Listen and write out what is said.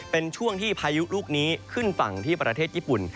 เป็นช่วงที่พายุลูกนี้ขึ้นฝั่งที่ประเทศญี่ปุ่น